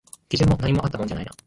基準も何もあったもんじゃないな